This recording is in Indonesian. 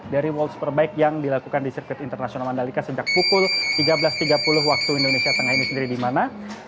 dari world superbike yang dilakukan di sirkuit internasional mandalika sejak pukul tiga belas tiga puluh wib sendiri di mana